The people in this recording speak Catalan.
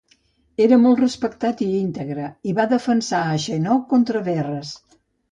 Era molt respectat i íntegre i va defensar a Xenó contra Verres.